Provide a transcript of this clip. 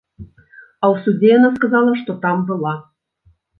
А ў судзе яна сказала, што там была.